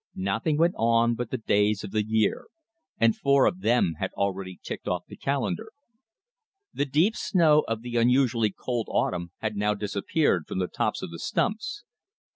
Nothing went on but the days of the year; and four of them had already ticked off the calendar. The deep snow of the unusually cold autumn had now disappeared from the tops of the stumps.